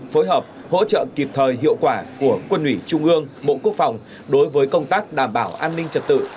phối hợp hỗ trợ kịp thời hiệu quả của quân ủy trung ương bộ quốc phòng đối với công tác đảm bảo an ninh trật tự